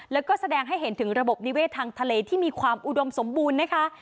แล้วก็แสดงให้เห็นถึงระบบนิเวศทางทะเลที่มีความอุดมสมบูรณ์นะคะ